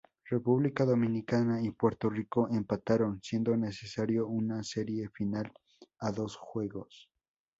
República Dominicana y Puerto Rico empataron, siendo necesario una serie final a dos juegos.